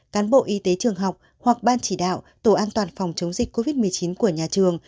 cán bộ y tế trường học hoặc ban chỉ đạo tổ an toàn phòng chống dịch covid một mươi chín của nhà trường